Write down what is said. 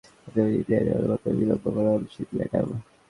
আমাদের ইউনিয়নের অনুমোদনে বিলম্ব করা অনুচিত, ম্যাডাম।